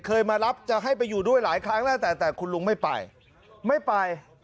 เคยมารับจะให้ไปอยู่ด้วยหลายครั้งแล้วแต่แต่คุณลุงไม่ไปไม่ไป